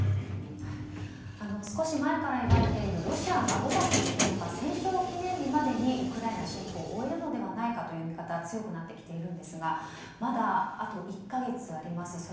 少し前から言われているロシアが５月９日、戦勝記念日までにウクライナ侵攻を終えるのではないかという見方強くなってきているんですがまだあと１か月あります。